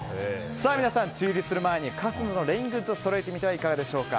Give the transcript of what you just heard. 皆さん、梅雨入りする前に傘などのレイングッズをそろえてみてはいかがでしょうか。